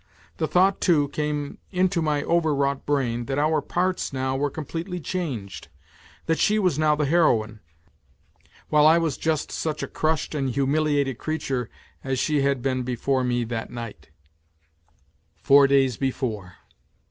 The thought, too, came into my overwrought brain that our parts now were completely changed, tfrat she was now the heroine, while I was just such a crushed and humiliated creature as she 150 NOTES FROM UNDERGROUND had been before me that night four days before.